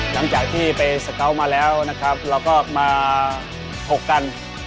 หลังจากที่ไปสาเกา๊วมาแล้วเราก็มาโภกกัน